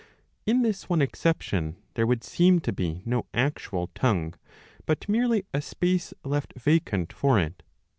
* In this one exception there would seem to be no actual tongue, but merely a space left vacant for it.